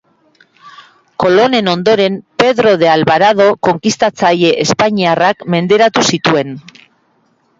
Kolonen ondoren Pedro de Alvarado konkistatzaile espainiarrak menderatu zituen.